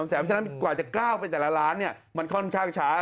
แสนฉะนั้นกว่าจะก้าวไปแต่ละล้านมันค่อนข้างช้า